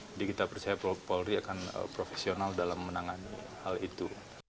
jadi kita percaya polri akan profesional dalam menangani hal itu